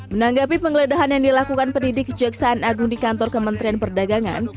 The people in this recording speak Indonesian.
menanggapi penggeledahan yang dilakukan pendidik kejaksaan agung di kantor kementerian perdagangan